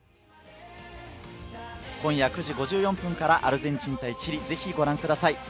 今夜９時５４分からアルゼンチン対チリ、ぜひご覧ください。